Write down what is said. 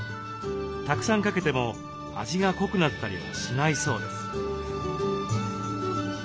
たくさんかけても味が濃くなったりはしないそうです。